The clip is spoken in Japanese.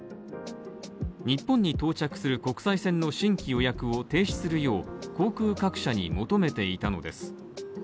日本に到着する国際線の新規予約を停止するよう航空各社に求めていたのです。